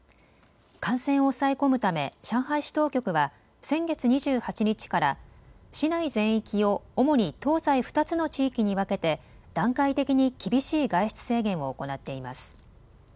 感染を抑え込むため上海市当局は先月２８日から市内全域を主に東西２つの地域に分けて段階的に厳しい外出制限を行っています。